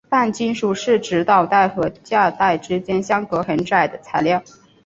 半金属是指导带和价带之间相隔很窄的材料。